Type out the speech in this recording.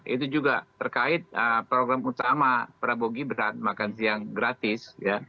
itu juga terkait program utama prabowo gibrat makansi yang gratis